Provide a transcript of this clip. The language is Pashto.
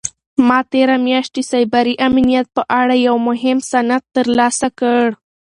ما تېره میاشت د سایبري امنیت په اړه یو مهم سند ترلاسه کړ.